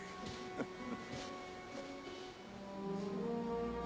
フフフ。